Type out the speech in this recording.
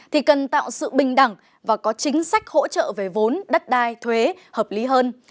thì cần tạo sự bình đẳng và có chính sách hỗ trợ về vốn đất đai thuế hợp lý hơn